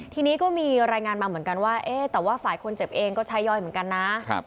ทีนี้ก็มีรายงานมาเหมือนกันว่าแต่ว่าฝ่ายคนเจ็บเองก็ใช้ย่อยเหมือนกันนะ